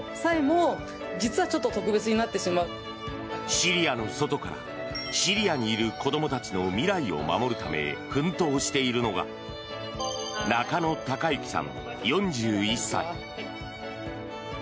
シリアの外からシリアにいる子どもたちの未来を守るため奮闘しているのが中野貴行さん、４１歳。